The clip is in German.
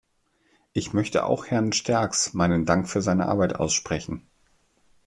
Ich möchte auch Herrn Sterckx meinen Dank für seine Arbeit aussprechen.